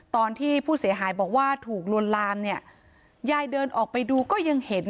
ตอนที่ผู้เสียหายบอกว่าถูกลวนลามเนี่ยยายเดินออกไปดูก็ยังเห็น